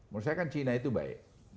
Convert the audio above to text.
menurut saya kan cina itu baik